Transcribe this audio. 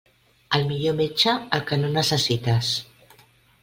El millor metge: el que no necessites.